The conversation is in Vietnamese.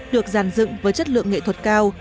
được giàn dựng với chất lượng nghệ thuật cao